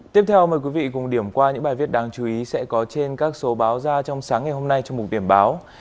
tiếp theo mời quý vị cùng điểm qua những bài viết đáng chú ý sẽ có trên các số báo ra trong sáng ngày hôm nay trong mục điểm báo